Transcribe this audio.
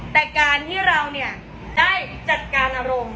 แต่การที่เราได้จัดการอารมณ์